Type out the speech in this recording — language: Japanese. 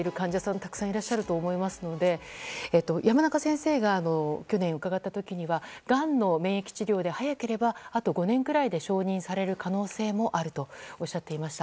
たくさんいらっしゃると思いますので山中先生が、去年伺った時にはがんの免疫治療で、早ければあと５年くらいで承認される可能性もあるとおっしゃっていました。